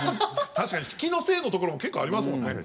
確かに比企のせいのところも結構ありますもんね。